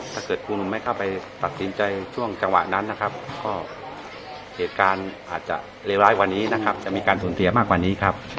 ถ้าเกิดครูหนุ่มไม่เข้าไปตัดสินใจช่วงจังหวะนั้นนะครับก็เหตุการณ์อาจจะเลวร้ายกว่านี้นะครับจะมีการสูญเสียมากกว่านี้ครับ